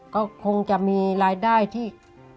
ก็คงจะมีรายได้ที่